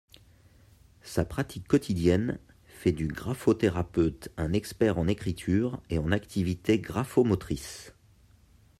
Sa pratique quotidienne fait du graphothérapeute un expert en écriture et en activité grapho-motrice.